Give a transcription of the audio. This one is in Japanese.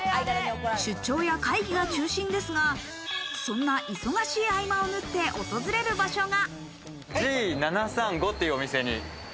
出張や会議が中心ですが、そんな忙しい合間を縫って訪れる場所が。